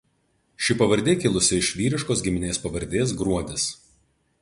Ši pavardė kilusi iš vyriškos giminės pavardės Gruodis.